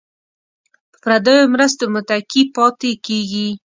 په پردیو مرستو متکي پاتې کیږي.